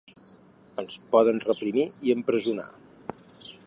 Ens poden reprimir i empresonar.